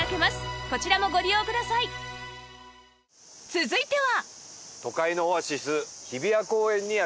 続いては！